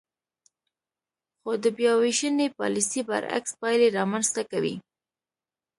خو د بیاوېشنې پالیسۍ برعکس پایلې رامنځ ته کوي.